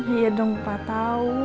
iya dong pa tahu